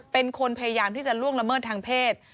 เป็นคนพยายามที่จะล่วงละเมิดทางเพศ